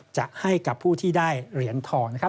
จะให้กับผู้ที่ได้เหรียญทองนะครับ